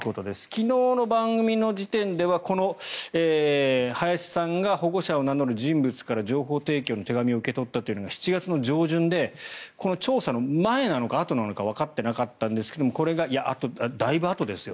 昨日の番組の時点では林さんが保護者を名乗る人物から情報提供の手紙を受け取ったというのが７月上旬で調査の前なのかあとなのかわかっていなかったんですがこれがだいぶあとですよ